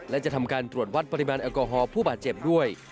และจะทำการตรวจวัดปริมาณแอลกอฮอล์ผู้บาดเจ็บด้วย